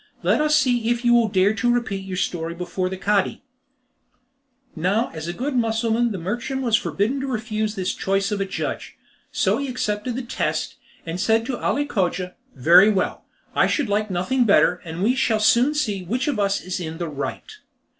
Let us see if you will dare to repeat your story before the Cadi." Now as a good Mussulman the merchant was forbidden to refuse this choice of a judge, so he accepted the test, and said to Ali Cogia, "Very well; I should like nothing better. We shall soon see which of us is in the right."